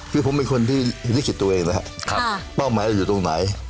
คือผมเป็นคนที่ลิขิตตัวเองแล้วเป้าหมายเราอยู่ตรงไหน